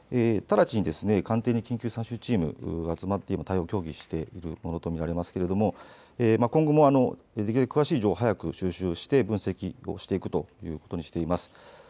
直ちに官邸で緊急参集チームを集めて対応を協議しているものと見られますけれども今後も詳しい情報を早く収集して分析をしていくということにしています。